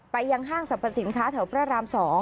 ยังห้างสรรพสินค้าแถวพระราม๒